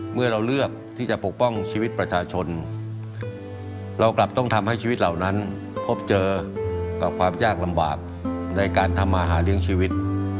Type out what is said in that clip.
เมื่อเราเลือกที่จะปกป้องชีวิตประชาชนเรากลับต้องทำให้ชีวิตเหล่านั้นพบเจอกับความยากลำบากในการทำมาหาเลี้ยงชีวิต